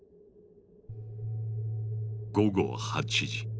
午後８時。